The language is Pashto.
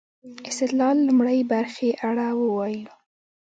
استدلال لومړۍ برخې اړه ووايو.